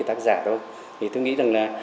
tác giả thôi thì tôi nghĩ rằng là